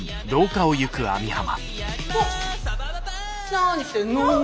何してんの？